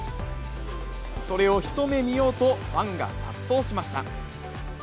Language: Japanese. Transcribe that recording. それを一目見ようと、ファンが殺到しました。